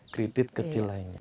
kredit kecil lainnya